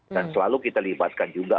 dan selalu kita libatkan juga